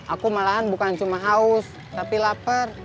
aku malahan bukan cuma haus tapi lapar